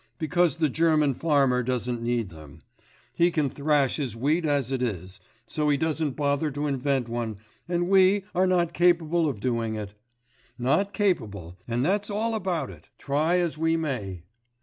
Because the German farmer doesn't need them; he can thrash his wheat as it is, so he doesn't bother to invent one, and we ... are not capable of doing it! Not capable and that's all about it! Try as we may!